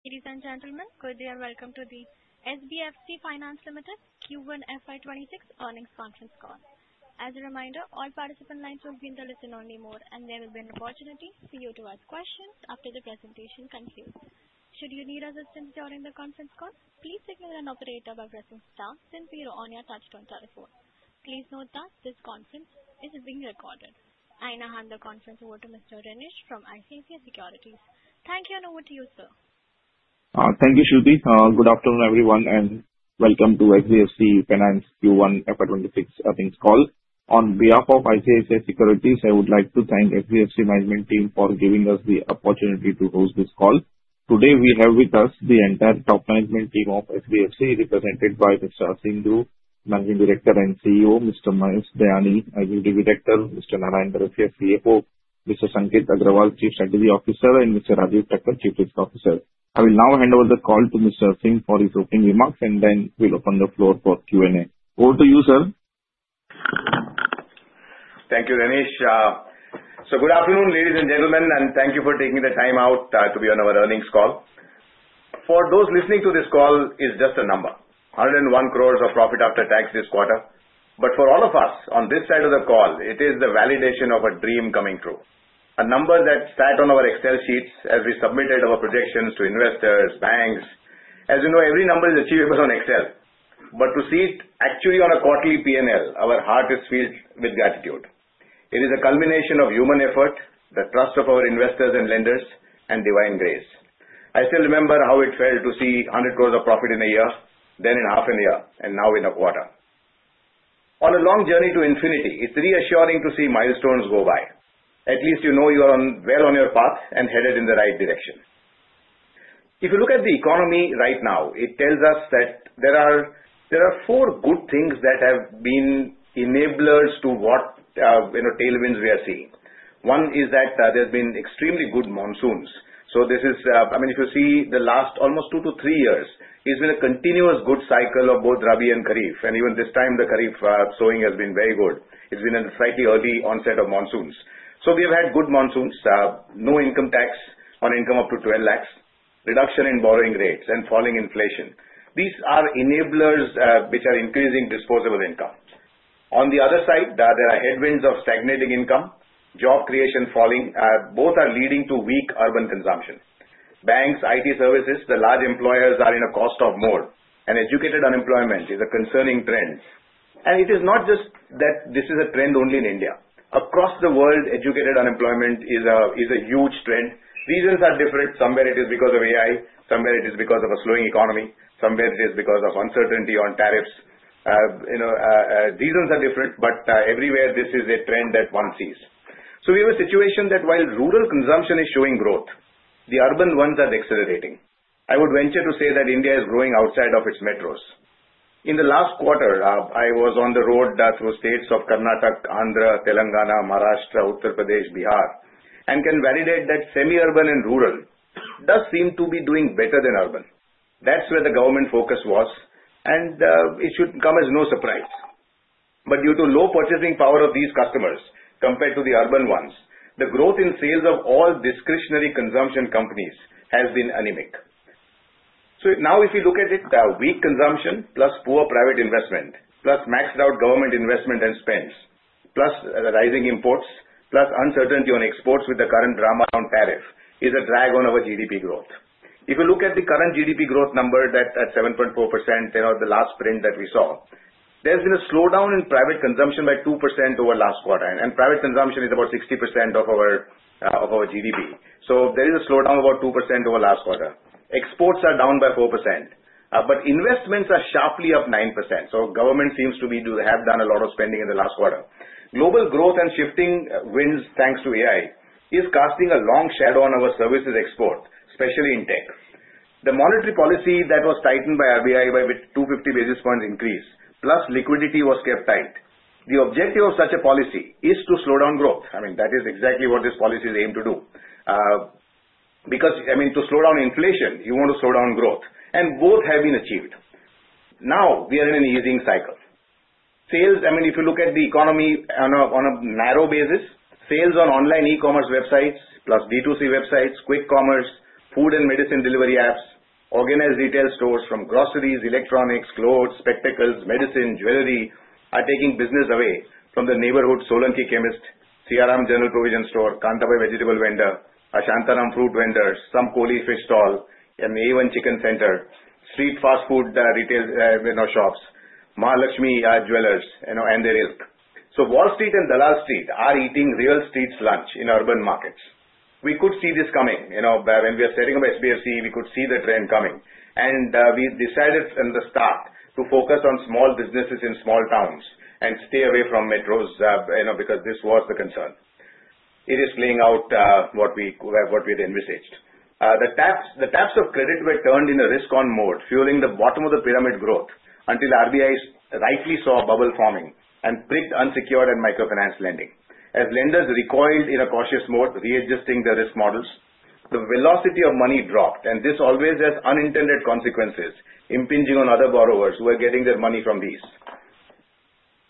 Ladies and gentlemen, good day, and welcome to the SBFC Finance Limited Q1 FY26 earnings conference call. As a reminder, all participants' lines will be in the listen-only mode, and there will be an opportunity for you to ask questions after the presentation concludes. Should you need assistance during the conference call, please signal an operator by pressing star, since we are on your touch-tone telephone. Please note that this conference is being recorded. I now hand the conference over to Mr. Renish from ICICI Securities. Thank you, and over to you, sir. Thank you, Shruti. Good afternoon, everyone, and welcome to ICICI Securities SBFC Finance Q1 FY26 earnings call. On behalf of ICICI Securities, I would like to thank SBFC Management Team for giving us the opportunity to host this call. Today, we have with us the entire top management team of SBFC, represented by Mr. Aseem Dhru, Managing Director and CEO, Mr. Mahesh Dayani, Executive Director, Mr. Narayan Barasia, CFO, Mr. Sanket Agrawal, Chief Strategy Officer, and Mr. Rajeev Thakkar, Chief Risk Officer. I will now hand over the call to Mr. Aseem Dhru for his opening remarks, and then we'll open the floor for Q&A. Over to you, sir. Thank you, Renish. Good afternoon, ladies and gentlemen, and thank you for taking the time out to be on our earnings call. For those listening to this call, it's just a number: 101 crores of profit after tax this quarter. But for all of us on this side of the call, it is the validation of a dream coming true, a number that sat on our Excel sheets as we submitted our projections to investors, banks. As you know, every number is achievable on Excel. But to see it actually on a quarterly P&L, our heart is filled with gratitude. It is the culmination of human effort, the trust of our investors and lenders, and divine grace. I still remember how it felt to see 100 crores of profit in a year, then in half a year, and now in a quarter. On a long journey to infinity, it's reassuring to see milestones go by. At least you know you are well on your path and headed in the right direction. If you look at the economy right now, it tells us that there are four good things that have been enablers to what tailwinds we are seeing. One is that there have been extremely good monsoons. So this is, I mean, if you see the last almost two to three years, it's been a continuous good cycle of both Rabi and Kharif, and even this time, the Kharif sowing has been very good. It's been a slightly early onset of monsoons, so we have had good monsoons, no income tax on income up to 12 lakhs, reduction in borrowing rates, and falling inflation. These are enablers which are increasing disposable income. On the other side, there are headwinds of stagnating income, job creation falling. Both are leading to weak urban consumption. Banks, IT services, the large employers are in a cost-cutting mode. Educated unemployment is a concerning trend. It is not just that this is a trend only in India. Across the world, educated unemployment is a huge trend. Reasons are different. Somewhere it is because of AI. Somewhere it is because of a slowing economy. Somewhere it is because of uncertainty on tariffs. Reasons are different, but everywhere this is a trend that one sees. We have a situation that while rural consumption is showing growth, the urban ones are decelerating. I would venture to say that India is growing outside of its metros. In the last quarter, I was on the road through states of Karnataka, Andhra, Telangana, Maharashtra, Uttar Pradesh, and Bihar, and can validate that semi-urban and rural does seem to be doing better than urban. That's where the government focus was, and it should come as no surprise. But due to low purchasing power of these customers compared to the urban ones, the growth in sales of all discretionary consumption companies has been anemic. So now if you look at it, weak consumption plus poor private investment plus maxed-out government investment and spends plus rising imports plus uncertainty on exports with the current drama on tariff is a drag on our GDP growth. If you look at the current GDP growth number that's at 7.4%, you know, the last print that we saw, there's been a slowdown in private consumption by 2% over last quarter, and private consumption is about 60% of our GDP. So there is a slowdown of about 2% over last quarter. Exports are down by 4%, but investments are sharply up 9%. So government seems to have done a lot of spending in the last quarter. Global growth and shifting winds, thanks to AI, is casting a long shadow on our services export, especially in tech. The monetary policy that was tightened by RBI by 250 basis points increase plus liquidity was kept tight. The objective of such a policy is to slow down growth. I mean, that is exactly what this policy is aimed to do. Because, I mean, to slow down inflation, you want to slow down growth, and both have been achieved. Now we are in an easing cycle. Sales, I mean, if you look at the economy on a narrow basis, sales on online e-commerce websites plus B2C websites, quick commerce, food and medicine delivery apps, organized retail stores from groceries, electronics, clothes, spectacles, medicine, jewelry are taking business away from the neighborhood Solanki Chemist, Shri Ram General Provision Store, Kanthabai Vegetable Vendor, Shantaram Fruit Vendors, some Kohli Fish stall, an A1 Chicken Center, street fast food retail shops, Mahalakshmi Jewelers, and their ilk. So Wall Street and Dalal Street are eating real streets' lunch in urban markets. We could see this coming. When we are setting up SBFC, we could see the trend coming, and we decided from the start to focus on small businesses in small towns and stay away from metros because this was the concern. It is playing out what we had envisaged. The taps of credit were turned in a risk-on mode, fueling the bottom of the pyramid growth until RBI rightly saw a bubble forming and pricked unsecured and microfinance lending. As lenders recoiled in a cautious mode, readjusting their risk models, the velocity of money dropped, and this always has unintended consequences impinging on other borrowers who are getting their money from these.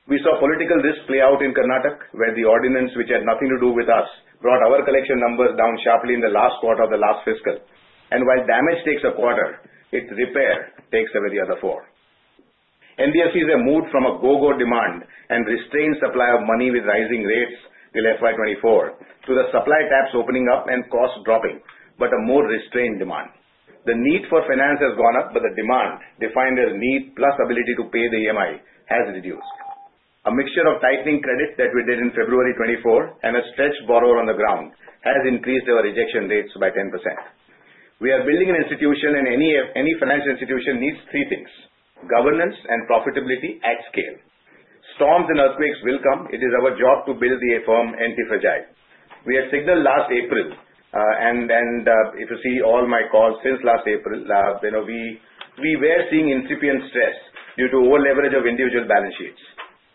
We saw political risk play out in Karnataka, where the ordinance which had nothing to do with us brought our collection numbers down sharply in the last quarter of the last fiscal. And while damage takes a quarter, its repair takes away the other four. NBFCs have moved from a go-go demand and restrained supply of money with rising rates till FY24 to the supply taps opening up and cost dropping, but a more restrained demand. The need for finance has gone up, but the demand, defined as need plus ability to pay the EMI, has reduced. A mixture of tightening credit that we did in February 2024 and a stretched borrower on the ground has increased our rejection rates by 10%. We are building an institution, and any financial institution needs three things: governance and profitability at scale. Storms and earthquakes will come. It is our job to build the firm anti-fragile. We had signaled last April, and if you see all my calls since last April, we were seeing incipient stress due to over-leverage of individual balance sheets.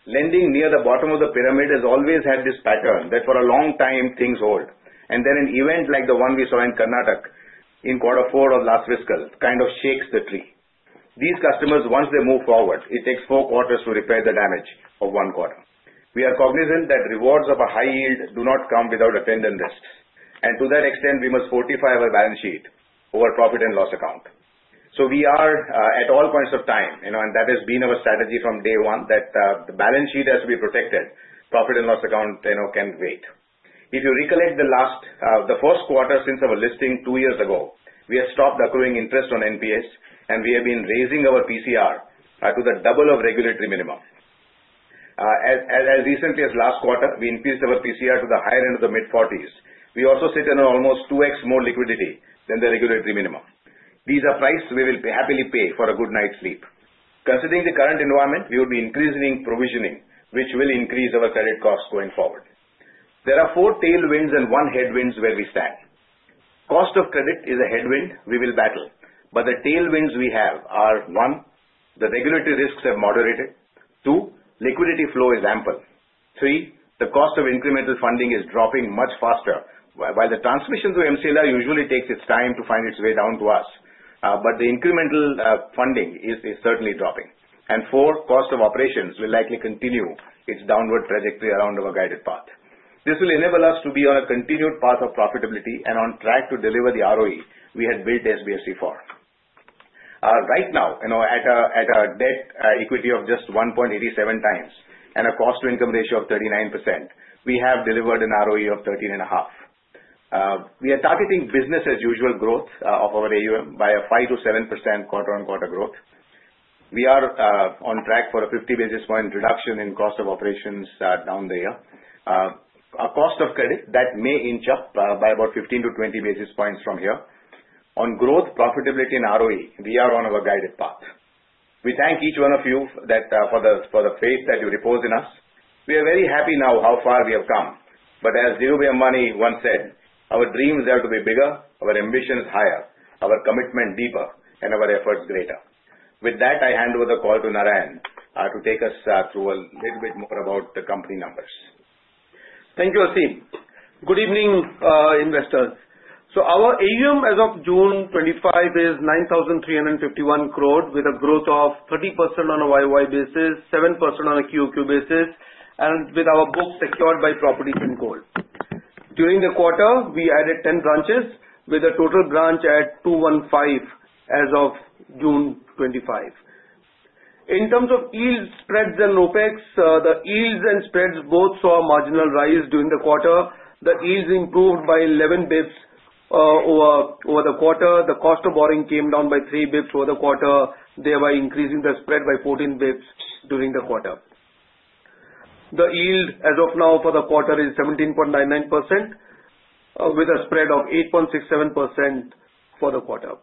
Lending near the bottom of the pyramid has always had this pattern that for a long time, things hold, and then an event like the one we saw in Karnataka in quarter four of last fiscal kind of shakes the tree. These customers, once they move forward, it takes four quarters to repair the damage of one quarter. We are cognizant that rewards of a high yield do not come without attendant risks, and to that extent, we must fortify our balance sheet over profit and loss account, so we are at all points of time, and that has been our strategy from day one, that the balance sheet has to be protected. Profit and loss account can wait. If you recollect the first quarter since our listing two years ago, we have stopped accruing interest on NPAs, and we have been raising our PCR to the double of regulatory minimum. As recently as last quarter, we increased our PCR to the higher end of the mid-40s. We also sit in an almost 2x more liquidity than the regulatory minimum. These are prices we will happily pay for a good night's sleep. Considering the current environment, we will be increasing provisioning, which will increase our credit costs going forward. There are four tailwinds and one headwind where we stand. Cost of credit is a headwind we will battle, but the tailwinds we have are: one, the regulatory risks have moderated, two, liquidity flow is ample, three, the cost of incremental funding is dropping much faster, while the transmission through MCLR usually takes its time to find its way down to us, but the incremental funding is certainly dropping, and four, cost of operations will likely continue its downward trajectory around our guided path. This will enable us to be on a continued path of profitability and on track to deliver the ROE we had built SBFC for. Right now, at a debt equity of just 1.87 times and a cost-to-income ratio of 39%, we have delivered an ROE of 13.5. We are targeting business-as-usual growth of our AUM by a 5%-7% quarter-on-quarter growth. We are on track for a 50 basis point reduction in cost of operations down the year. Our cost of credit may inch up by about 15-20 basis points from here. On growth, profitability, and ROE, we are on our guided path. We thank each one of you for the faith that you reposed in us. We are very happy now how far we have come, but as Dhirubhai Ambani once said, our dreams have to be bigger, our ambitions higher, our commitment deeper, and our efforts greater. With that, I hand over the call to Narayan to take us through a little bit more about the company numbers. Thank you, Aseem. Good evening, investors. So our AUM as of June 25 is 9,351 crore with a growth of 30% on a YOY basis, 7% on a QOQ basis, and with our books secured by properties in gold. During the quarter, we added 10 branches with a total branches at 215 as of June 25. In terms of yield spreads and OpEx, the yields and spreads both saw a marginal rise during the quarter. The yields improved by 11 basis points over the quarter. The cost of borrowing came down by 3 basis points over the quarter, thereby increasing the spread by 14 basis points during the quarter. The yield as of now for the quarter is 17.99% with a spread of 8.67% for the quarter.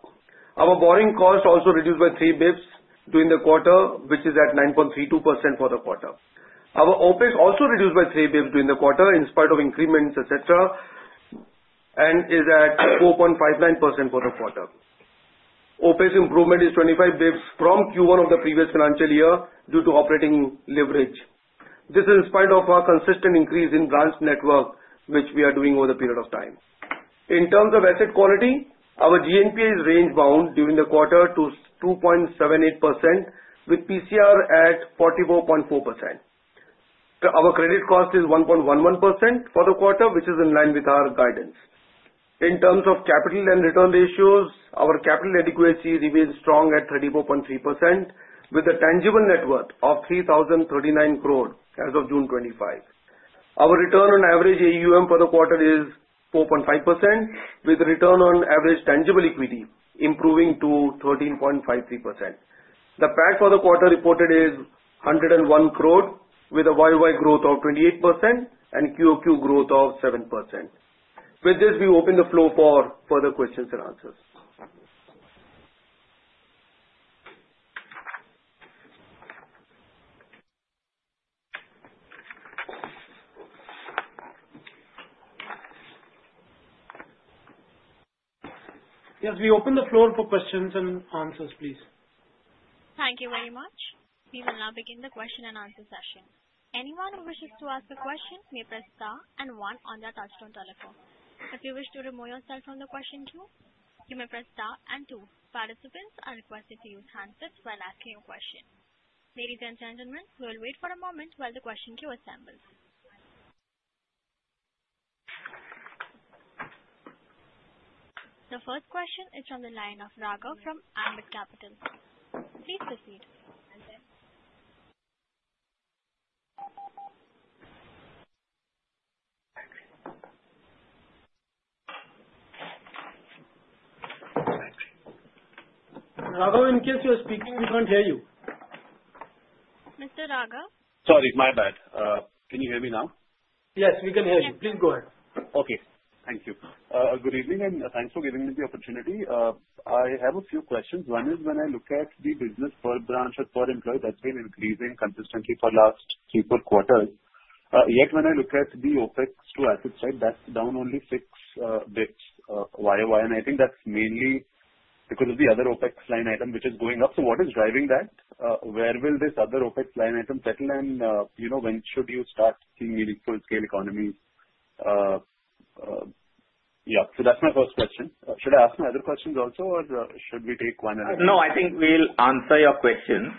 Our borrowing cost also reduced by 3 basis points during the quarter, which is at 9.32% for the quarter. Our OpEx also reduced by 3 basis points during the quarter in spite of increments, etc., and is at 4.59% for the quarter. OpEx improvement is 25 basis points from Q1 of the previous financial year due to operating leverage. This is in spite of our consistent increase in branch network, which we are doing over the period of time. In terms of asset quality, our GNPA is range-bound during the quarter to 2.78% with PCR at 44.4%. Our credit cost is 1.11% for the quarter, which is in line with our guidance. In terms of capital and return ratios, our capital adequacy remains strong at 34.3% with a tangible net worth of 3,039 crore as of June 25. Our return on average AUM for the quarter is 4.5% with a return on average tangible equity improving to 13.53%. The PAT for the quarter reported is 101 crore with a YOY growth of 28% and QOQ growth of 7%. With this, we open the floor for further questions and answers. Yes, we open the floor for questions and answers, please. Thank you very much. We will now begin the question and answer session. Anyone who wishes to ask a question may press star and one on their touch-tone telephone. If you wish to remove yourself from the question queue, you may press star and two. Participants are requested to use handsets while asking a question. Ladies and gentlemen, we will wait for a moment while the question queue assembles. The first question is from the line of Raghav from Ambit Capital. Please proceed. Raghav, in case you are speaking, we can't hear you. Mr. Raghav? Sorry, my bad. Can you hear me now? Yes, we can hear you. Please go ahead. Okay. Thank you. Good evening and thanks for giving me the opportunity. I have a few questions. One is when I look at the business per branch or per employee, that's been increasing consistently for the last three or four quarters. Yet when I look at the OpEx to asset side, that's down only 6 basis points YOY, and I think that's mainly because of the other OpEx line item which is going up. So what is driving that? Where will this other OpEx line item settle, and when should you start seeing meaningful scale economy? Yeah, so that's my first question. Should I ask my other questions also, or should we take one at a time? No, I think we'll answer your questions.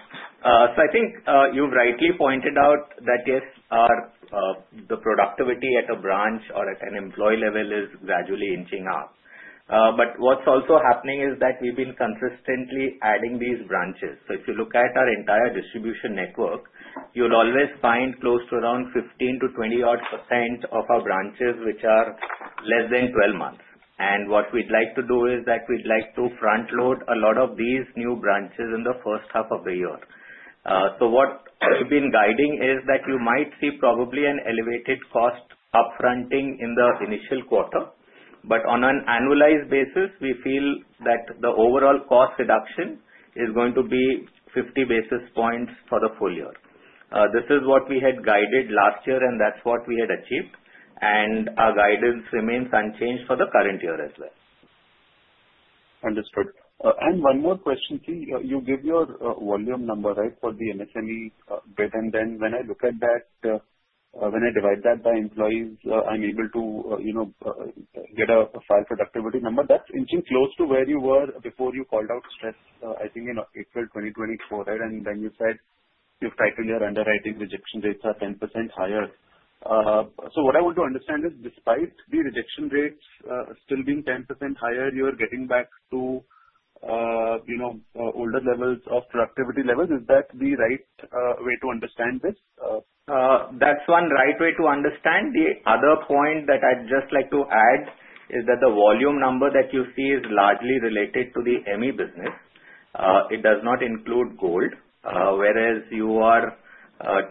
So I think you've rightly pointed out that yes, the productivity at a branch or at an employee level is gradually inching up. But what's also happening is that we've been consistently adding these branches. So if you look at our entire distribution network, you'll always find close to around 15% to 20% odd of our branches which are less than 12 months. What we'd like to do is that we'd like to front-load a lot of these new branches in the first half of the year. So what we've been guiding is that you might see probably an elevated cost upfronting in the initial quarter, but on an annualized basis, we feel that the overall cost reduction is going to be 50 basis points for the full year. This is what we had guided last year, and that's what we had achieved, and our guidance remains unchanged for the current year as well. Understood. And one more question, please. You give your volume number, right, for the MSME book? And then when I look at that, when I divide that by employees, I'm able to get a file productivity number. That's inching close to where you were before you called out stress, I think, in April 2024, and then you said your this year underwriting rejection rates are 10% higher. So what I want to understand is, despite the rejection rates still being 10% higher, you are getting back to older levels of productivity levels. Is that the right way to understand this? That's one right way to understand. The other point that I'd just like to add is that the volume number that you see is largely related to the MSME business. It does not include gold, whereas you are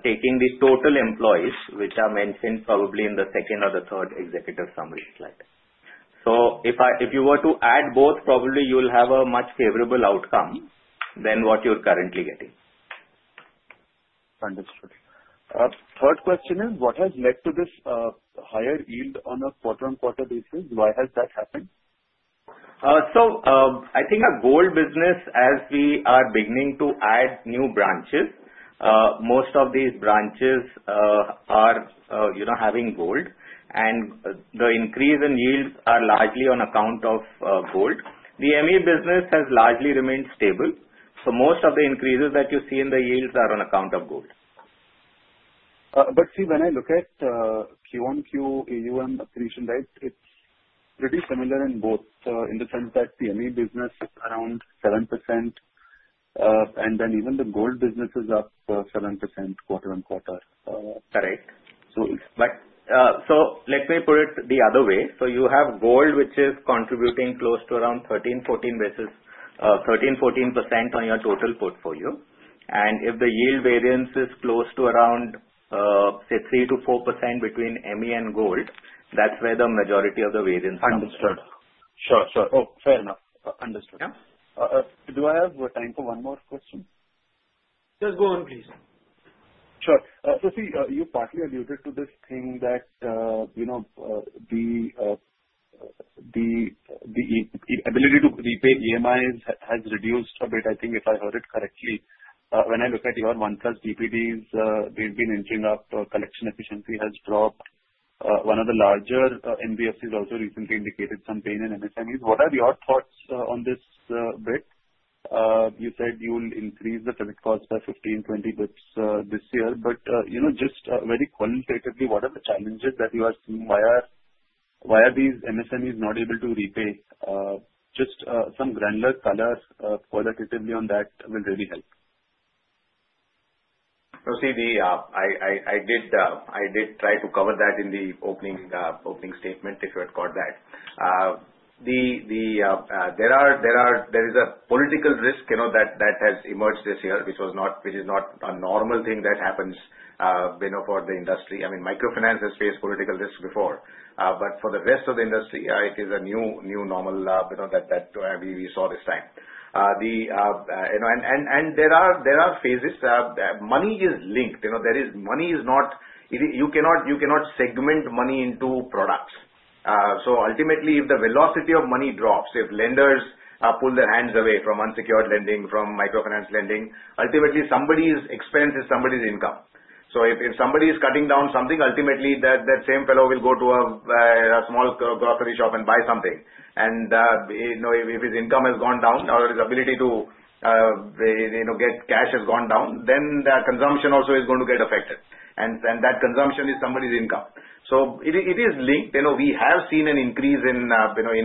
taking the total employees, which are mentioned probably in the second or the third executive summary slide. So if you were to add both, probably you'll have a much favorable outcome than what you're currently getting. Understood. Third question is, what has led to this higher yield on a quarter-on-quarter basis? Why has that happened? So I think our gold business, as we are beginning to add new branches, most of these branches are having gold, and the increase in yields is largely on account of gold. The MSME business has largely remained stable, so most of the increases that you see in the yields are on account of gold. But see, when I look at Q1Q AUM accretion, right, it's pretty similar in both in the sense that the MSME business is around 7%, and then even the gold business is up 7% quarter on quarter. Correct. So let me put it the other way. So you have gold, which is contributing close to around 13-14% on your total portfolio, and if the yield variance is close to around, say, 3-4% between ME and gold, that's where the majority of the variance comes. Understood. Sure, sure. Oh, fair enough. Understood. Do I have time for one more question? Yes, go on, please. Sure. So see, you partly alluded to this thing that the ability to repay EMIs has reduced a bit, I think, if I heard it correctly. When I look at your 1+ DPDs, they've been inching up. Collection efficiency has dropped. One of the larger NBFCs also recently indicated some pain in MSMEs. What are your thoughts on this bit? You said you'll increase the credit cost by 15-20 basis points this year, but just very qualitatively, what are the challenges that you are seeing? Why are these MSMEs not able to repay? Just some granular color qualitatively on that will really help. So, see, I did try to cover that in the opening statement if you had caught that. There is a political risk that has emerged this year, which is not a normal thing that happens for the industry. I mean, microfinance has faced political risks before, but for the rest of the industry, it is a new normal that we saw this time, and there are phases. Money is linked. Money is not. You cannot segment money into products, so ultimately, if the velocity of money drops, if lenders pull their hands away from unsecured lending, from microfinance lending, ultimately, somebody's expense is somebody's income, so if somebody is cutting down something, ultimately, that same fellow will go to a small grocery shop and buy something. And if his income has gone down or his ability to get cash has gone down, then that consumption also is going to get affected, and that consumption is somebody's income. So it is linked. We have seen an increase in 1+ DPD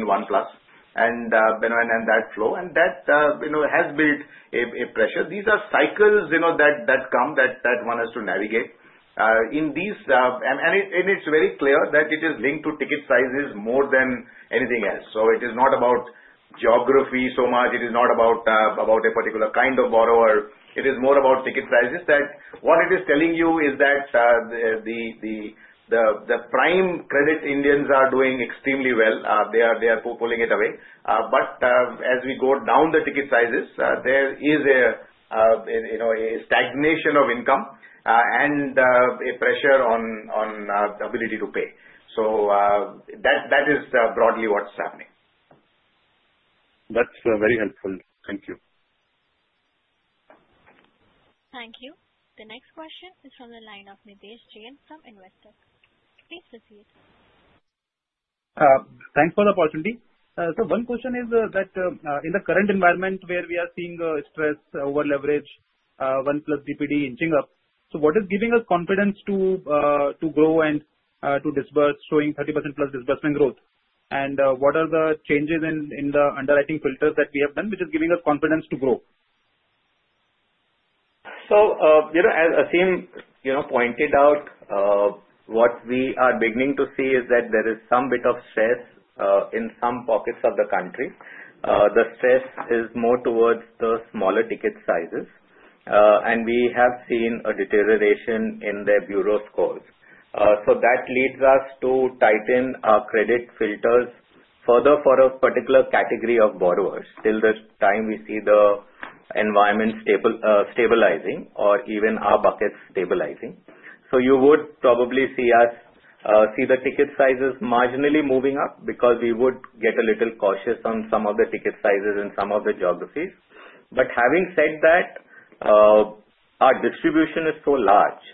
and that flow, and that has built a pressure. These are cycles that come that one has to navigate. And it's very clear that it is linked to ticket sizes more than anything else. So it is not about geography so much. It is not about a particular kind of borrower. It is more about ticket sizes that what it is telling you is that the prime credit Indians are doing extremely well. They are pulling it away. But as we go down the ticket sizes, there is a stagnation of income and a pressure on ability to pay. So that is broadly what's happening. That's very helpful. Thank you. Thank you. The next question is from the line of Nidhesh Jain from Investec. Please proceed. Thanks for the opportunity. So one question is that in the current environment where we are seeing stress, overleverage, 1+ DPD inching up, so what is giving us confidence to grow and to disburse showing 30% plus disbursement growth? And what are the changes in the underwriting filters that we have done which is giving us confidence to grow? So as Aseem pointed out, what we are beginning to see is that there is some bit of stress in some pockets of the country. The stress is more towards the smaller ticket sizes, and we have seen a deterioration in their bureau scores. So that leads us to tighten our credit filters further for a particular category of borrowers till the time we see the environment stabilizing or even our buckets stabilizing. You would probably see us see the ticket sizes marginally moving up because we would get a little cautious on some of the ticket sizes in some of the geographies. But having said that, our distribution is so large,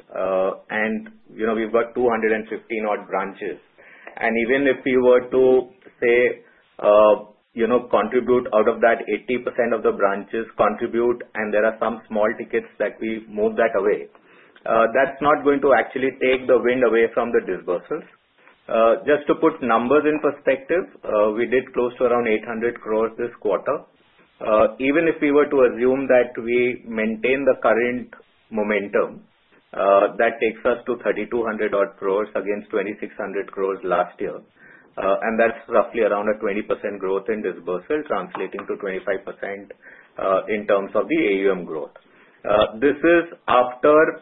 and we've got 250-odd branches. Even if we were to, say, contribute out of that 80% of the branches, and there are some small tickets that we move that away, that's not going to actually take the wind away from the disbursers. Just to put numbers in perspective, we did close to around 800 crores this quarter. Even if we were to assume that we maintain the current momentum, that takes us to 3,200-odd crores against 2,600 crores last year, and that's roughly around a 20% growth in disbursement, translating to 25% in terms of the AUM growth. This is after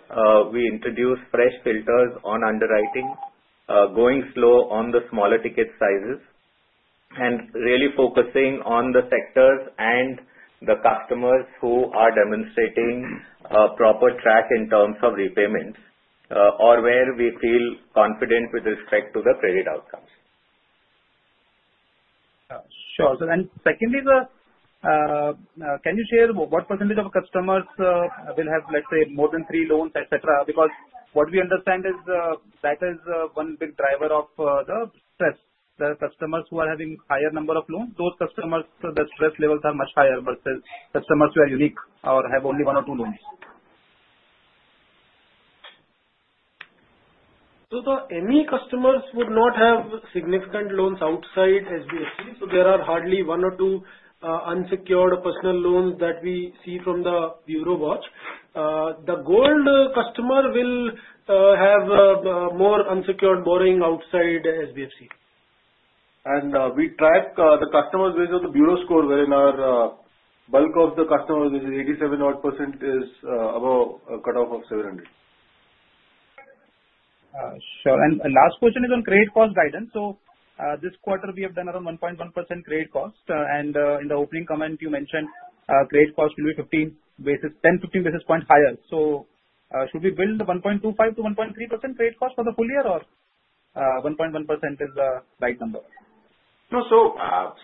we introduced fresh filters on underwriting, going slow on the smaller ticket sizes, and really focusing on the sectors and the customers who are demonstrating proper track in terms of repayments or where we feel confident with respect to the credit outcomes. Sure. And secondly, can you share what percentage of customers will have, let's say, more than three loans, etc.? Because what we understand is that is one big driver of the stress. The customers who are having a higher number of loans, those customers, the stress levels are much higher versus customers who are unique or have only one or two loans. So the MSME customers would not have significant loans outside SBFC. So there are hardly one or two unsecured personal loans that we see from the bureau watch. The gold customer will have more unsecured borrowing outside SBFC. And we track the customer base of the bureau score wherein our bulk of the customers, which is 87-odd%, is above a cutoff of 700. Sure. And last question is on credit cost guidance. So this quarter, we have done around 1.1% credit cost, and in the opening comment, you mentioned credit cost will be 10-15 basis points higher. So should we build the 1.25%-1.3% credit cost for the full year, or 1.1% is the right number? No. So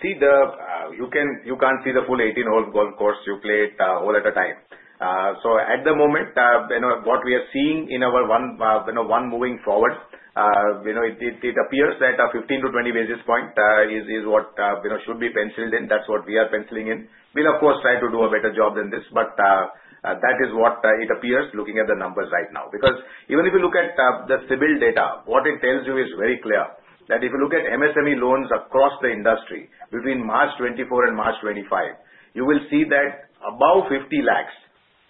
see, you can't see the full 18-odd golf course you played all at a time. So at the moment, what we are seeing going forward, it appears that 15-20 basis points is what should be penciled in. That's what we are penciling in. Well, of course, try to do a better job than this, but that is what it appears looking at the numbers right now. Because even if you look at the civil data, what it tells you is very clear that if you look at MSME loans across the industry between March 2024 and March 2025, you will see that above 50 lakhs,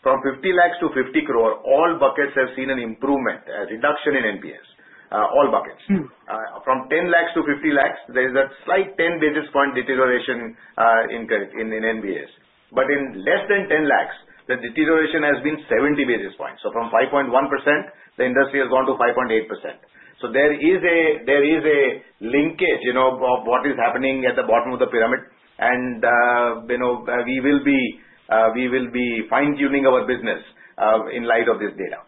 from 50 lakhs to 50 crore, all buckets have seen an improvement, a reduction in NBS, all buckets. From 10 lakhs to 50 lakhs, there is a slight 10 basis point deterioration in NPAs. But in less than 10 lakhs, the deterioration has been 70 basis points. So from 5.1%, the industry has gone to 5.8%. So there is a linkage of what is happening at the bottom of the pyramid, and we will be fine-tuning our business in light of this data.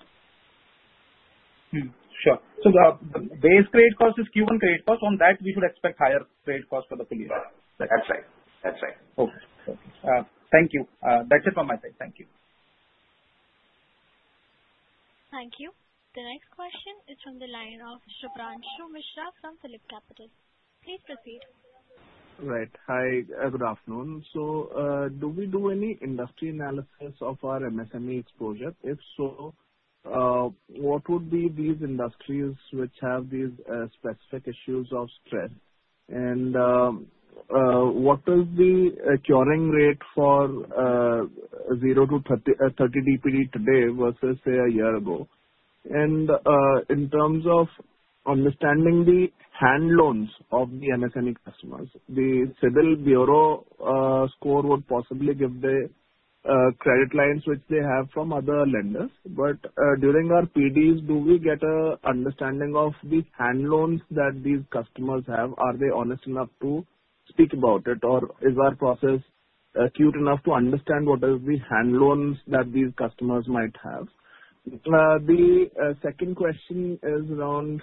Sure. So the base credit cost is Q1 credit cost. On that, we should expect higher credit cost for the full year. That's right. That's right. Okay. Thank you. That's it from my side. Thank you. Thank you. The next question is from the line of Shubhranshu Mishra from PhillipCapital. Please proceed. Right. Hi. Good afternoon. So do we do any industry analysis of our MSME exposure? If so, what would be these industries which have these specific issues of stress? And what is the curing rate for 0-30 DPD today versus, say, a year ago? And in terms of understanding the hand loans of the MSME customers, the CIBIL bureau score would possibly give the credit lines which they have from other lenders. But during our PDs, do we get an understanding of the hand loans that these customers have? Are they honest enough to speak about it, or is our process acute enough to understand what are the hand loans that these customers might have? The second question is around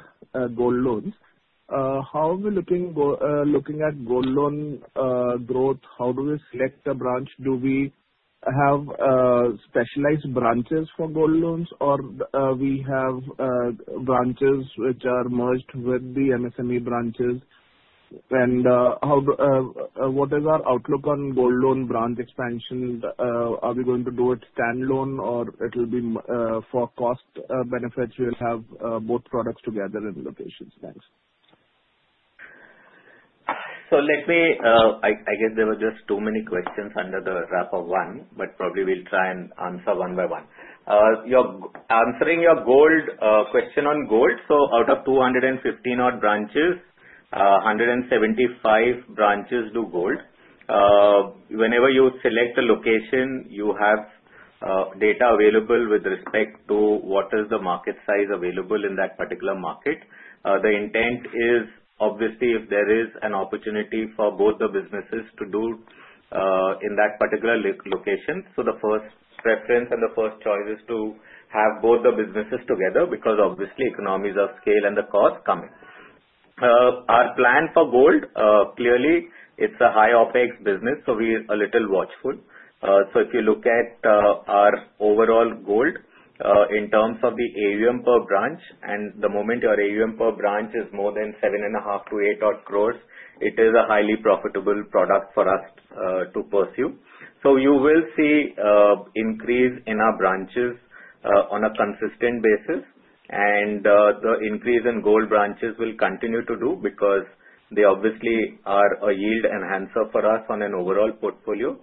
gold loans. How are we looking at gold loan growth? How do we select a branch? Do we have specialized branches for gold loans, or do we have branches which are merged with the MSME branches? And what is our outlook on gold loan branch expansion? Are we going to do it standalone, or it will be for cost benefits? We'll have both products together in locations. Thanks. I guess there were just too many questions under the wrap of one, but probably we'll try and answer one by one. Answering your gold question on gold, so out of 250-odd branches, 175 branches do gold. Whenever you select a location, you have data available with respect to what is the market size available in that particular market. The intent is, obviously, if there is an opportunity for both the businesses to do in that particular location, so the first preference and the first choice is to have both the businesses together because, obviously, economies of scale and the cost come in. Our plan for gold, clearly, it's a high OpEx business, so we're a little watchful, so if you look at our overall gold in terms of the AUM per branch, and the moment your AUM per branch is more than 7.5-8-odd crores, it is a highly profitable product for us to pursue. So you will see an increase in our branches on a consistent basis, and the increase in gold branches will continue to do because they obviously are a yield enhancer for us on an overall portfolio.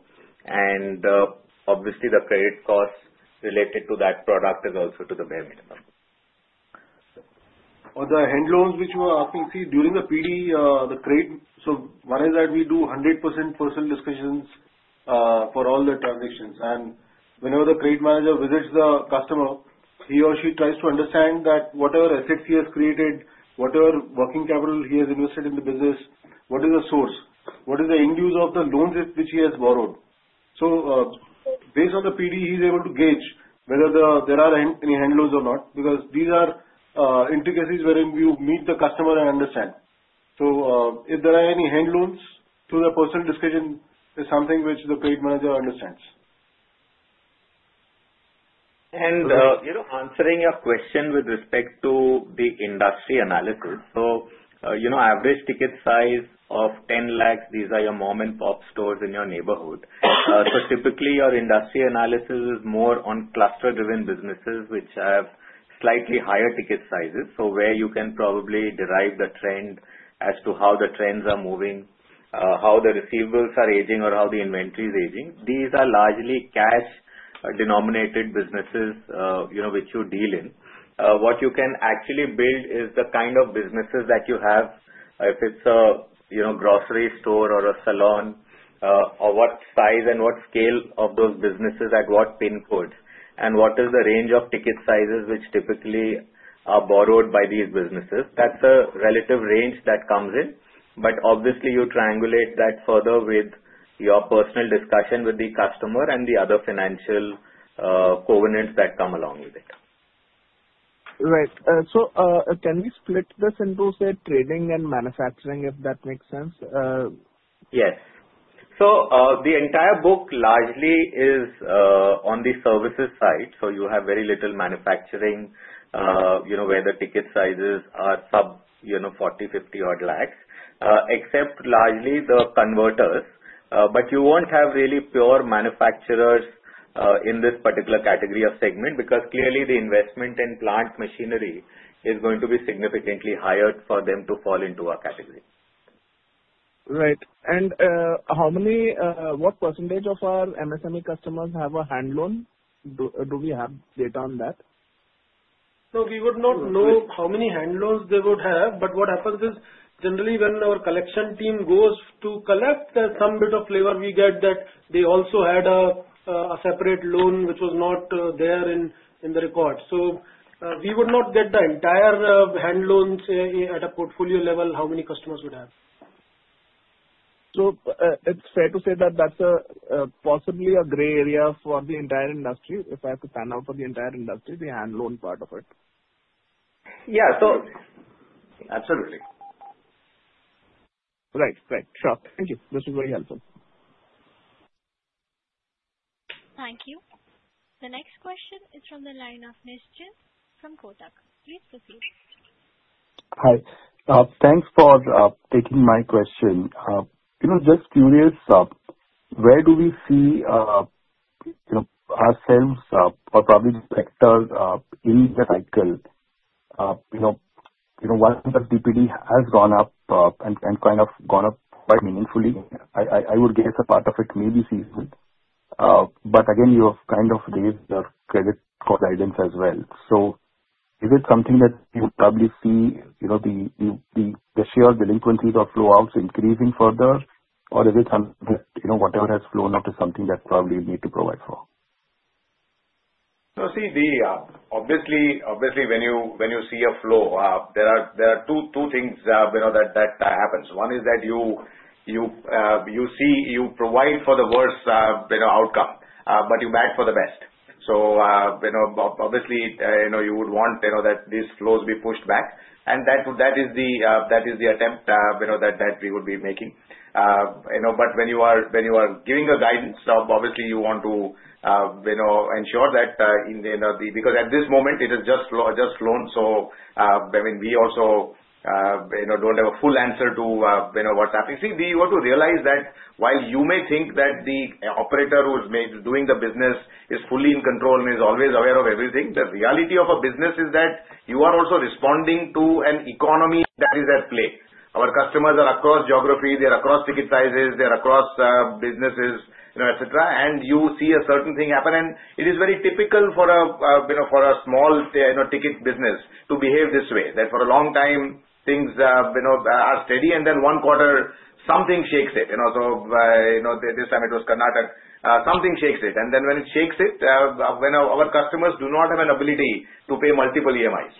And obviously, the credit cost related to that product is also to the bare minimum. On the hand loans which we're asking to see during the PD, the credit, so one is that we do 100% personal discussions for all the transactions. And whenever the credit manager visits the customer, he or she tries to understand that whatever assets he has created, whatever working capital he has invested in the business, what is the source, what is the end use of the loans which he has borrowed. So based on the PD, he's able to gauge whether there are any hand loans or not because these are intricacies wherein you meet the customer and understand. If there are any hand loans, through the personal discussion, it's something which the credit manager understands. Answering your question with respect to the industry analysis, so average ticket size of 10 lakhs, these are your mom-and-pop stores in your neighborhood. Typically, your industry analysis is more on cluster-driven businesses which have slightly higher ticket sizes, so where you can probably derive the trend as to how the trends are moving, how the receivables are aging, or how the inventory is aging. These are largely cash-denominated businesses which you deal in. What you can actually build is the kind of businesses that you have, if it's a grocery store or a salon, or what size and what scale of those businesses at what pin codes, and what is the range of ticket sizes which typically are borrowed by these businesses. That's a relative range that comes in, but obviously, you triangulate that further with your personal discussion with the customer and the other financial covenants that come along with it. Right. So can we split this into, say, trading and manufacturing, if that makes sense? Yes. So the entire book largely is on the services side, so you have very little manufacturing where the ticket sizes are sub 40, 50-odd lakhs, except largely the converters. But you won't have really pure manufacturers in this particular category or segment because clearly, the investment in plant machinery is going to be significantly higher for them to fall into our category. Right. And what percentage of our MSME customers have a hand loan? Do we have data on that? So we would not know how many hand loans they would have, but what happens is, generally, when our collection team goes to collect some bit of loan, we get that they also had a separate loan which was not there in the record. So we would not get the entire hand loans at a portfolio level how many customers would have. So it's fair to say that that's possibly a gray area for the entire industry if I have to pan out on the entire industry, the hand loan part of it. Yeah. So. Absolutely. Right. Right. Sure. Thank you. This is very helpful. Thank you. The next question is from the line of Nischint Chawathe from Kotak Securities. Please proceed. Hi. Thanks for taking my question. Just curious, where do we see ourselves or probably the sector in the cycle? Once the DPD has gone up and kind of gone up quite meaningfully, I would guess a part of it may be ceased. But again, you have kind of raised the credit guidance as well. So is it something that you would probably see the share of delinquencies or flowouts increasing further, or is it something that whatever has flown up is something that probably you need to provide for? So see, obviously, when you see a flow, there are two things that happens. One is that you provide for the worst outcome, but you back for the best. So obviously, you would want that these flows be pushed back, and that is the attempt that we would be making. But when you are giving a guidance, obviously, you want to ensure that because at this moment, it is just loans. So I mean, we also don't have a full answer to what's happening. See, we want to realize that while you may think that the operator who is doing the business is fully in control and is always aware of everything, the reality of a business is that you are also responding to an economy that is at play. Our customers are across geography. They're across ticket sizes. They're across businesses, etc. And you see a certain thing happen, and it is very typical for a small ticket business to behave this way, that for a long time, things are steady, and then one quarter, something shakes it. So this time, it was Karnataka. Something shakes it. And then when it shakes it, our customers do not have an ability to pay multiple EMIs.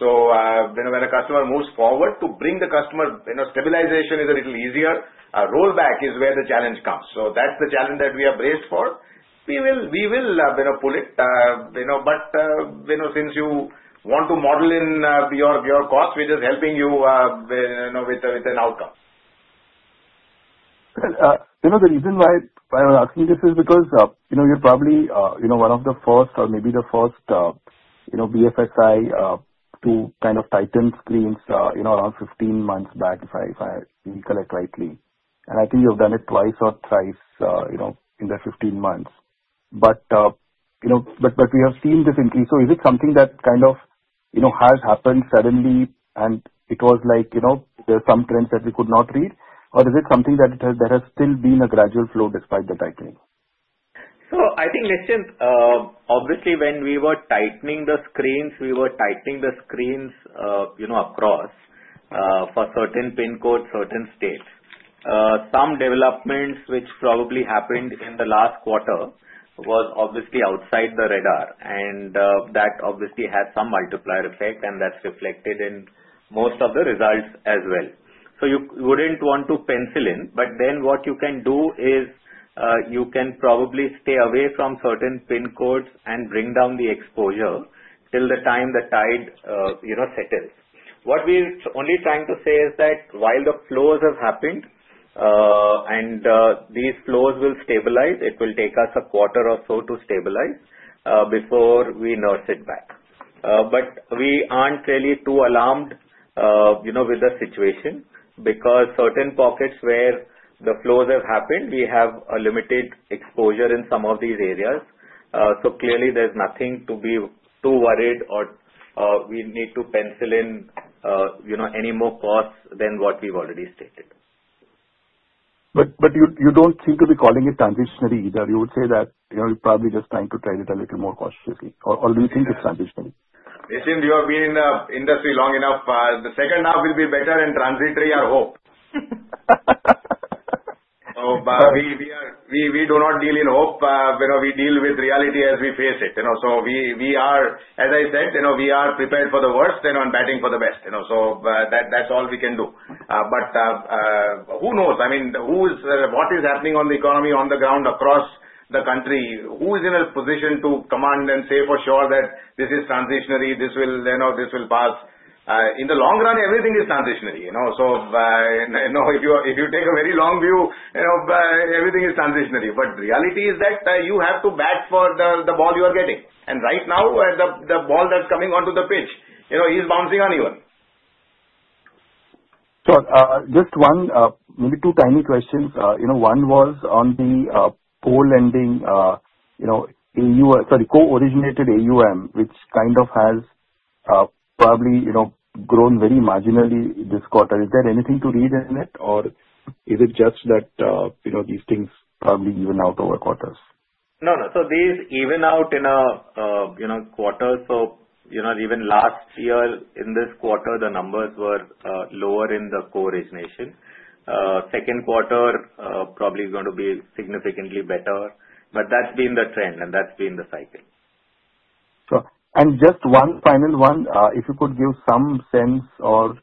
So when a customer moves forward to bring the customer, stabilization is a little easier. Rollback is where the challenge comes. So that's the challenge that we are braced for. We will pull it. But since you want to model in your cost, we're just helping you with an outcome. The reason why I'm asking this is because you're probably one of the first or maybe the first BFSI to kind of tighten screens around 15 months back, if I recollect rightly. And I think you've done it twice or thrice in the 15 months. But we have seen this increase. So is it something that kind of has happened suddenly, and it was like there are some trends that we could not read, or is it something that has still been a gradual flow despite the tightening? So I think, Nischint, obviously, when we were tightening the screens, we were tightening the screens across for certain pin codes, certain states. Some developments which probably happened in the last quarter were obviously outside the radar, and that obviously had some multiplier effect, and that's reflected in most of the results as well. So you wouldn't want to pencil in, but then what you can do is you can probably stay away from certain pin codes and bring down the exposure till the time the tide settles. What we're only trying to say is that while the flows have happened and these flows will stabilize, it will take us a quarter or so to stabilize before we nurse it back. But we aren't really too alarmed with the situation because certain pockets where the flows have happened, we have a limited exposure in some of these areas. So clearly, there's nothing to be too worried or we need to pencil in any more costs than what we've already stated. But you don't seem to be calling it transitory either. You would say that you're probably just trying to trade it a little more cautiously, or do you think it's transitory? Nischint, you have been in the industry long enough. The second half will be better and transitory, I hope. We do not deal in hope. We deal with reality as we face it. So as I said, we are prepared for the worst and batting for the best. So that's all we can do. But who knows? I mean, what is happening on the economy on the ground across the country? Who is in a position to command and say for sure that this is transitory, this will pass? In the long run, everything is transitory. So if you take a very long view, everything is transitory. But the reality is that you have to bat for the ball you are getting. And right now, the ball that's coming onto the pitch, he's bouncing uneven. Sure. Just one, maybe two tiny questions. One was on the co-originated AUM, which kind of has probably grown very marginally this quarter. Is there anything to read in it, or is it just that these things probably even out over quarters? No, no. So these even out in a quarter. So even last year, in this quarter, the numbers were lower in the co-origination. Second quarter probably going to be significantly better, but that's been the trend, and that's been the cycle. Sure. And just one final one, if you could give some sense or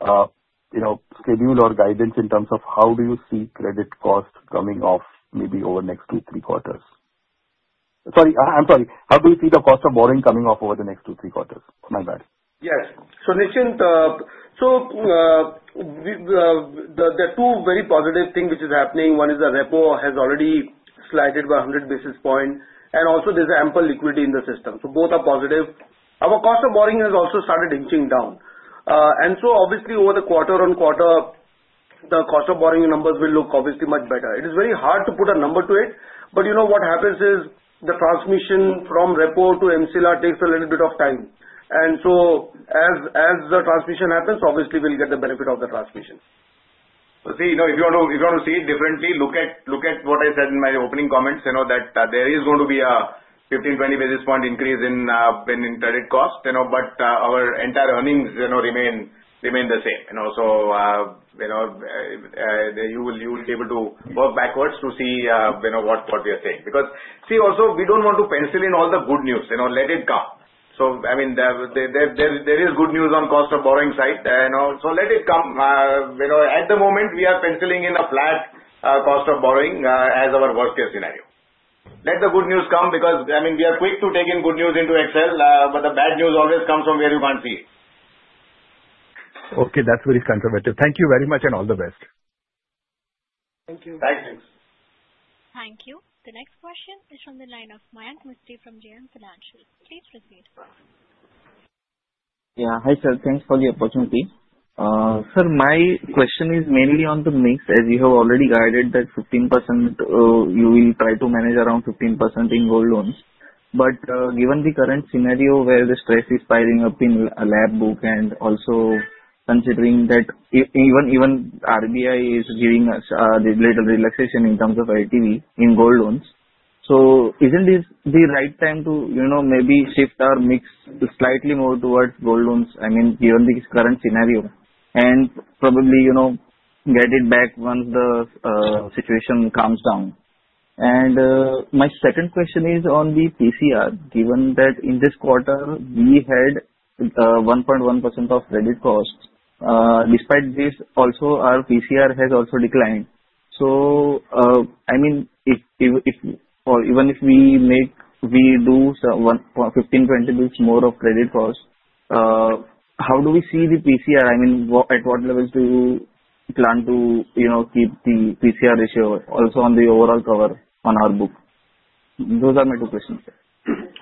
schedule or guidance in terms of how do you see credit cost coming off maybe over next two, three quarters? Sorry. I'm sorry. How do you see the cost of borrowing coming off over the next two, three quarters? My bad. Yes. So Nischint, so the two very positive things which are happening, one is the repo has already slid by 100 basis points, and also there's ample liquidity in the system. So both are positive. Our cost of borrowing has also started inching down. And so obviously, over the quarter-on-quarter, the cost of borrowing numbers will look obviously much better. It is very hard to put a number to it, but what happens is the transmission from repo to MCLR takes a little bit of time. And so as the transmission happens, obviously, we'll get the benefit of the transmission. So see, if you want to see it differently, look at what I said in my opening comments that there is going to be a 15-20 basis point increase in credit cost, but our entire earnings remain the same. So you will be able to work backwards to see what we are saying. Because see, also, we don't want to pencil in all the good news. Let it come. So I mean, there is good news on the cost of borrowing side. So let it come. At the moment, we are penciling in a flat cost of borrowing as our worst-case scenario. Let the good news come because I mean, we are quick to take in good news into Excel, but the bad news always comes from where you can't see it. Okay. That's very conservative. Thank you very much and all the best. Thank you. Thanks. Thank you. The next question is from the line of Mayank Mistry from JM Financial. Please proceed. Yeah. Hi, sir. Thanks for the opportunity. Sir, my question is mainly on the mix. As you have already guided that 15%, you will try to manage around 15% in gold loans. But given the current scenario where the stress is piling up in a loan book and also considering that even RBI is giving us a little relaxation in terms of LTV in gold loans, so isn't this the right time to maybe shift our mix slightly more towards gold loans? I mean, given the current scenario, and probably get it back once the situation calms down. My second question is on the PCR. Given that in this quarter, we had 1.1% of credit cost, despite this, also our PCR has also declined. So I mean, even if we do 15-20 basis points more of credit cost, how do we see the PCR? I mean, at what levels do you plan to keep the PCR ratio also on the overall cover on our book? Those are my two questions.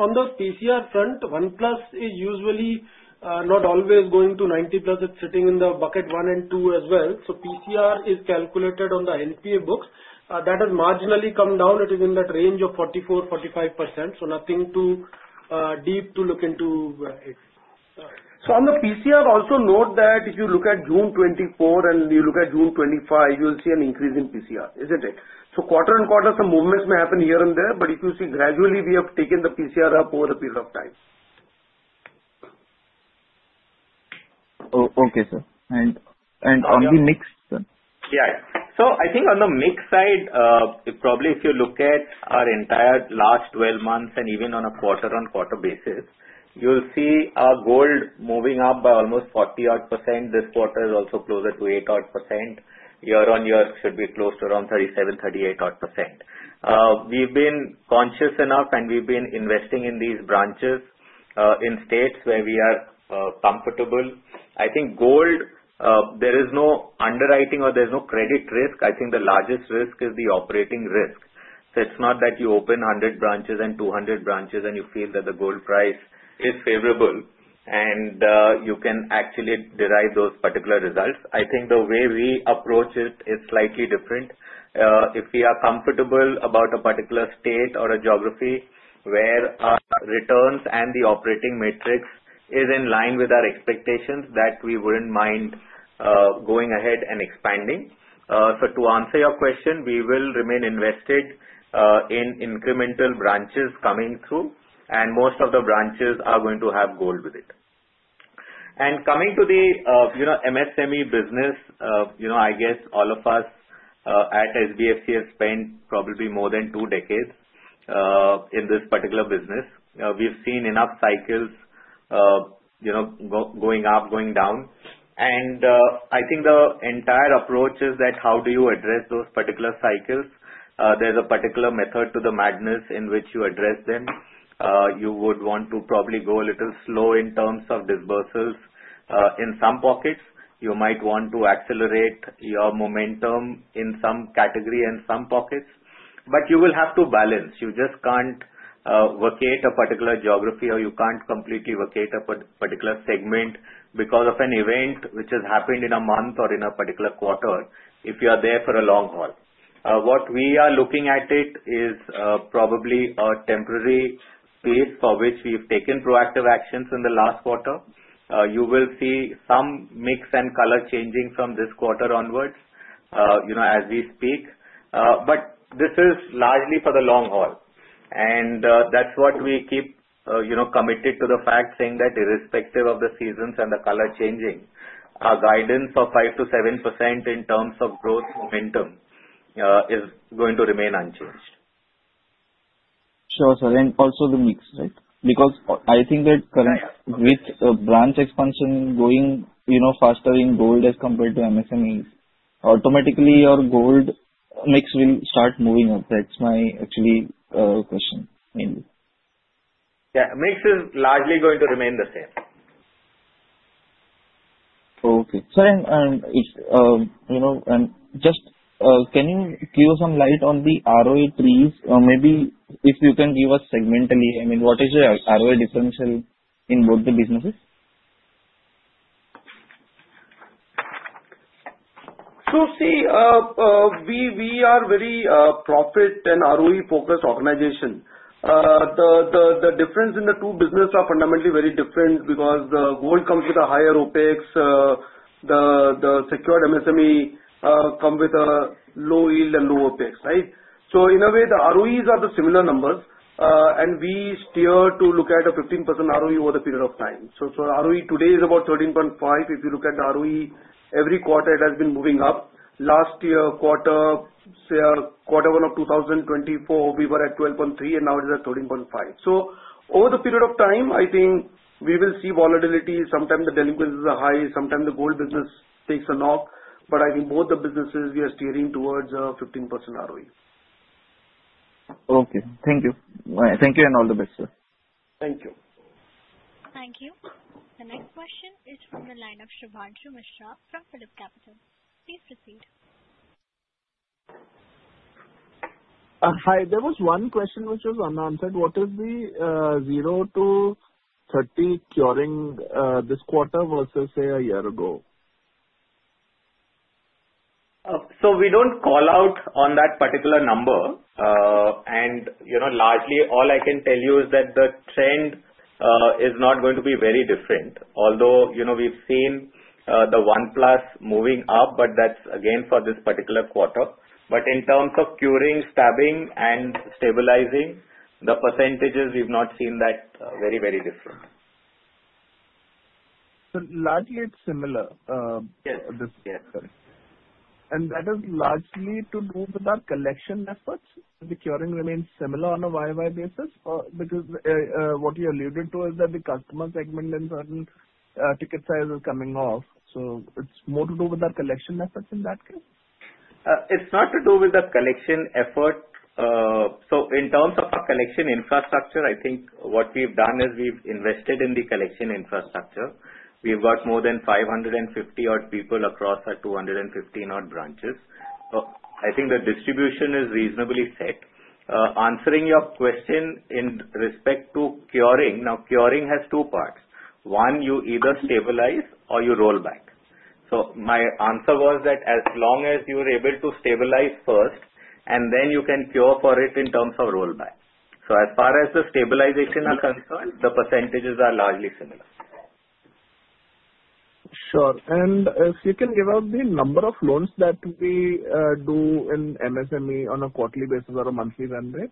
On the PCR front, 1 plus is usually not always going to 90 plus. It's sitting in the bucket one and two as well. So PCR is calculated on the NPA books. That has marginally come down. It is in that range of 44%-45%. So nothing too deep to look into it. So on the PCR, also note that if you look at June 2024 and you look at June 2025, you'll see an increase in PCR, isn't it? Quarter-on-quarter, some movements may happen here and there, but if you see gradually, we have taken the PCR up over a period of time. Okay, sir. And on the mix? Yeah. So I think on the mix side, probably if you look at our entire last 12 months and even on a quarter-on-quarter basis, you'll see our gold moving up by almost 40-odd%. This quarter is also closer to 8-odd%. Year-on-year, it should be close to around 37-38-odd%. We've been conscious enough, and we've been investing in these branches in states where we are comfortable. I think gold, there is no underwriting or there's no credit risk. I think the largest risk is the operating risk. So it's not that you open 100 branches and 200 branches and you feel that the gold price is favorable and you can actually derive those particular results. I think the way we approach it is slightly different. If we are comfortable about a particular state or a geography where our returns and the operating matrix is in line with our expectations, that we wouldn't mind going ahead and expanding. So to answer your question, we will remain invested in incremental branches coming through, and most of the branches are going to have gold with it. And coming to the MSME business, I guess all of us at SBFC have spent probably more than two decades in this particular business. We've seen enough cycles going up, going down. And I think the entire approach is that how do you address those particular cycles? There's a particular method to the madness in which you address them. You would want to probably go a little slow in terms of disbursals. In some pockets, you might want to accelerate your momentum in some category and some pockets, but you will have to balance. You just can't vacate a particular geography or you can't completely vacate a particular segment because of an event which has happened in a month or in a particular quarter if you are there for a long haul. What we are looking at is probably a temporary space for which we've taken proactive actions in the last quarter. You will see some mix and color changing from this quarter onwards as we speak. But this is largely for the long haul, and that's what we keep committed to the fact, saying that irrespective of the seasons and the color changing, our guidance for 5%-7% in terms of growth momentum is going to remain unchanged. Sure, sir. And also the mix, right? Because I think that with branch expansion going faster in gold as compared to MSME, automatically your gold mix will start moving up. That's actually my question, mainly. Yeah. Mix is largely going to remain the same. Okay. Sir, and just can you shed some light on the ROA trends? Maybe if you can give us segmentally, I mean, what is your ROA differential in both the businesses? So see, we are a very profit and ROE-focused organization. The difference in the two businesses is fundamentally very different because the gold comes with a higher OpEx. The secured MSME comes with a low yield and low OpEx, right? So in a way, the ROEs are the similar numbers, and we strive to look at a 15% ROE over the period of time. So ROE today is about 13.5%. If you look at the ROE, every quarter it has been moving up. Last quarter Q1 of 2024, we were at 12.3%, and now it is at 13.5%. So over the period of time, I think we will see volatility. Sometimes the delinquency is high. Sometimes the gold business takes a knock. But I think both the businesses, we are steering towards a 15% ROE. Okay. Thank you. Thank you and all the best, sir. Thank you. Thank you. The next question is from the line of Shubhanshu Mishra from PhillipCapital. Please proceed. Hi. There was one question which was unanswered. What is the 0 to 30 curing this quarter versus say a year ago? So we don't call out on that particular number. And largely, all I can tell you is that the trend is not going to be very different. Although we've seen the 1+ DPD moving up, but that's again for this particular quarter. But in terms of curing, staging, and stabilizing, the percentages, we've not seen that very, very different. So largely, it's similar. Yes. Yes. And that is largely to do with our collection efforts. The curing remains similar on a YoY basis? Because what you alluded to is that the customer segment and certain ticket sizes are coming off. So it's more to do with our collection efforts in that case? It's not to do with the collection effort. So in terms of our collection infrastructure, I think what we've done is we've invested in the collection infrastructure. We've got more than 550-odd people across our 250-odd branches. I think the distribution is reasonably set. Answering your question in respect to curing, now curing has two parts. One, you either stabilize or you roll back. So my answer was that as long as you are able to stabilize first, and then you can cure for it in terms of rollback. So as far as the stabilization are concerned, the percentages are largely similar. Sure. And if you can give out the number of loans that we do in MSME on a quarterly basis or a monthly run rate?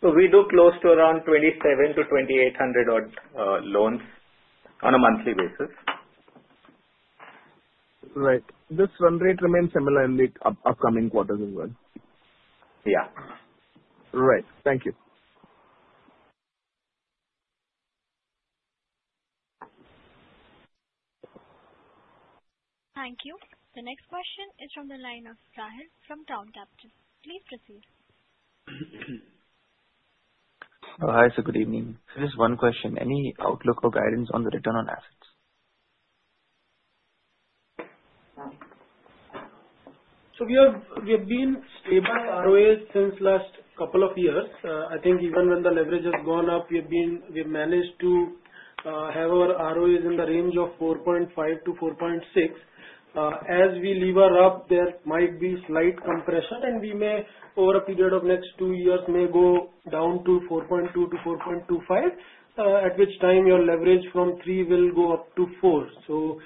So we do close to around 27 to 28 hundred-odd loans on a monthly basis. Right. This run rate remains similar in the upcoming quarters as well. Yeah. Right. Thank you. Thank you. The next question is from the line of Rahil Shah from Crown Capital. Please proceed. Hi, sir. Good evening. Just one question. Any outlook or guidance on the return on assets? So we have been stable ROAs since last couple of years. I think even when the leverage has gone up, we have managed to have our ROAs in the range of 4.5%-4.6%. As we lever up, there might be slight compression, and we may, over a period of next two years, go down to 4.2%-4.25%, at which time your leverage from 3 will go up to 4. So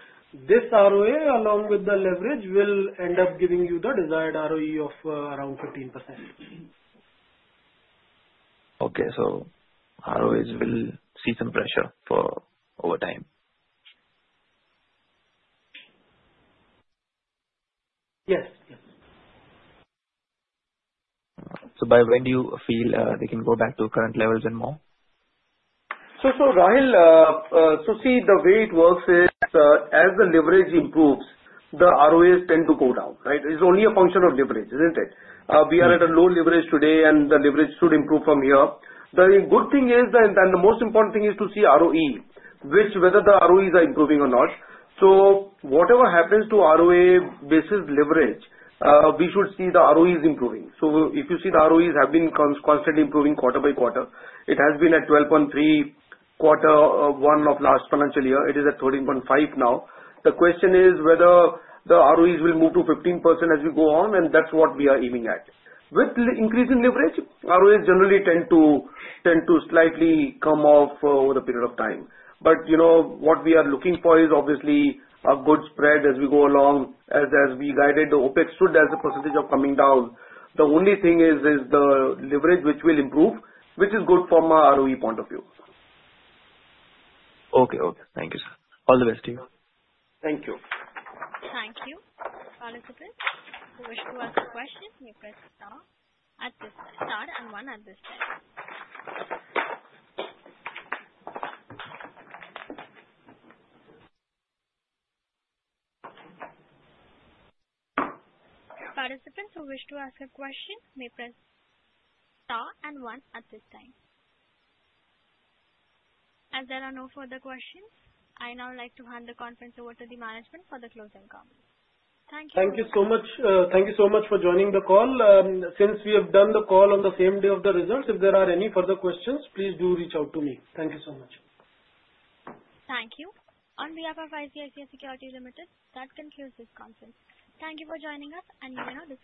this ROA, along with the leverage, will end up giving you the desired ROE of around 15%. Okay. So ROAs will see some pressure over time? Yes. Yes. So by when do you feel they can go back to current levels and more? So Rahil, so see, the way it works is as the leverage improves, the ROAs tend to go down, right? It's only a function of leverage, isn't it? We are at a low leverage today, and the leverage should improve from here. The good thing is, and the most important thing is to see ROE, whether the ROEs are improving or not. So whatever happens to ROA basis leverage, we should see the ROEs improving. So if you see the ROEs have been constantly improving quarter by quarter, it has been at 12.3 quarter one of last financial year. It is at 13.5 now. The question is whether the ROEs will move to 15% as we go on, and that's what we are aiming at. With increasing leverage, ROAs generally tend to slightly come off over the period of time. But what we are looking for is obviously a good spread as we go along, as we guided the OpEx should, as the percentage of coming down. The only thing is the leverage, which will improve, which is good from our ROE point of view. Okay. Okay. Thank you, sir. All the best to you. Thank you. Thank you. Participants who wish to ask a question, may press star at this star and one. Participants who wish to ask a question may press star and one at this time. As there are no further questions, I now like to hand the conference over to the management for the closing comments. Thank you. Thank you so much. Thank you so much for joining the call. Since we have done the call on the same day of the results, if there are any further questions, please do reach out to me. Thank you so much. Thank you. On behalf of ICICI Securities, that concludes this conference. Thank you for joining us, and you may now disconnect.